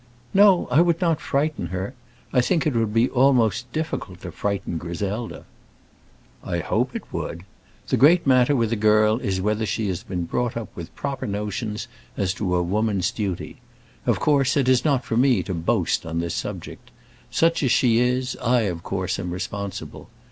"No; I would not frighten her. I think it would be almost difficult to frighten Griselda." "I hope it would. The great matter with a girl is whether she has been brought up with proper notions as to a woman's duty. Of course it is not for me to boast on this subject. Such as she is, I, of course, am responsible.